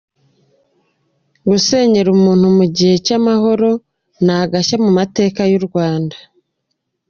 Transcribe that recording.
Gusenyera umuntu mu gihe cy’amahoro ni agashya mu mateka y’u Rwanda.